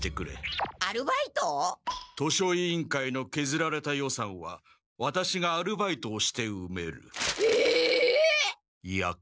図書委員会のけずられた予算はワタシがアルバイトをしてうめる。え！？いやか？